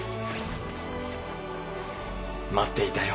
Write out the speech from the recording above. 待っていたよ。